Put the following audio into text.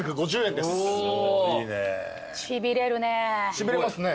しびれますね。